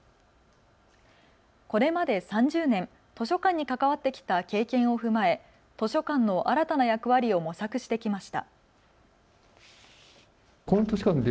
これまで３０年、図書館に関わってきた経験を踏まえ図書館の新たな役割を模索してきました。